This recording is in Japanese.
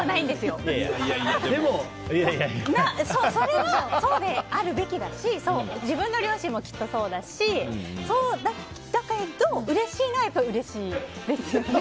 それは、そうであるべきだし自分の両親もきっとそうだしそうだけど、うれしいのはやっぱりうれしいですよね。